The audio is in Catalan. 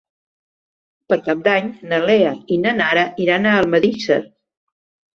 Per Cap d'Any na Lea i na Nara iran a Almedíxer.